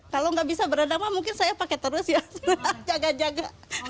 kalau nggak bisa beredama mungkin saya pakai terus ya jaga jaga